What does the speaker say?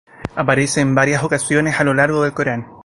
Aparece en varias ocasiones a lo largo del Corán.